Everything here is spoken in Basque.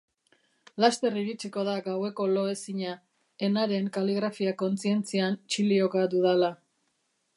Laster iritsiko da gaueko lo ezina, enaren kaligrafia kontzientzian txilioka dudala.